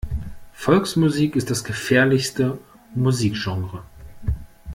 Volksmusik ist das gefährlichste Musikgenre.